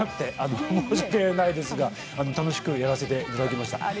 申し訳ないですが楽しくやらせていただきました。